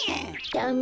ダメ。